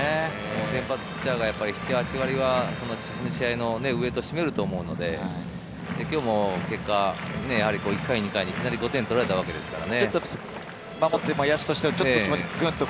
先発ピッチャーが７８割はその試合のウエイトを占めると思うので、今日も結果、１回、２回にいきなり５点を取られたわけですからね。